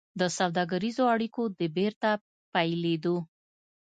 د سوداګريزو اړيکو د بېرته پيلېدو